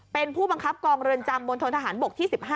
เป็นผู้บังคับกองเรือนจำบนทนทหารบกที่๑๕